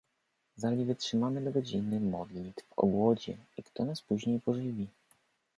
Zali wytrzymamy do godziny modlitw o głodzie — i kto nas później pożywi.